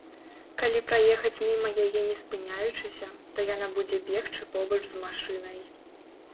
Калі праехаць міма яе не спыняючыся, то яна будзе бегчы побач з машынай.